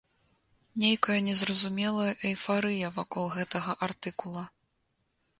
Нейкая незразумелая эйфарыя вакол гэтага артыкула.